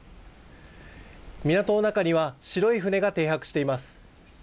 港の中には白い船が停泊しています。